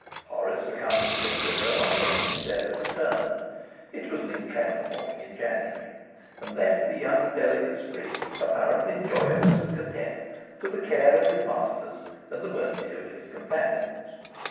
Horace accompanied him thither on the opening day of the term it was an inclement morning in January and left the young delicate sprig, apparently joyous and content, to the care of his masters and the mercy of his companions.